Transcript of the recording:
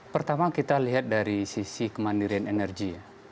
pertama kita lihat dari sisi kemandirian energi ya